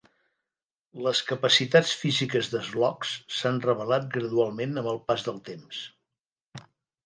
Les capacitats físiques de Phlox s'han revelat gradualment amb el pas del temps.